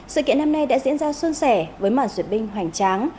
sự kiện năm nay đã diễn ra xuân sẻ với màn duyệt binh hoành tráng